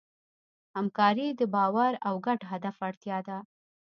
همکاري د باور او ګډ هدف اړتیا ده.